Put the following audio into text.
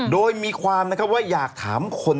โดยมีความว่าอยากถามคน